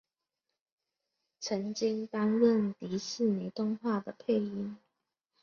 曾经担任迪士尼动画的配音。